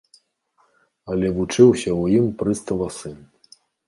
Але вучыўся ў ім прыстава сын.